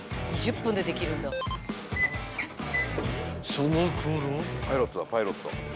［そのころ］